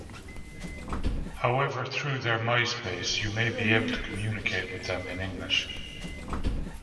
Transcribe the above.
However, through their MySpace you may be able to communicate with them in English.